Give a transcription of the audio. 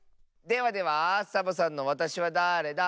ではではサボさんの「わたしはだれだ？」。